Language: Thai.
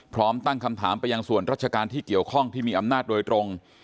พร้อมตั้งคำถามไปยังส่วนราชการที่เกี่ยวข้องที่มีอำนาจโดยตรง